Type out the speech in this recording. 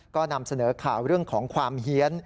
ก็นำเสนอข่าวเรื่องของความเฮียน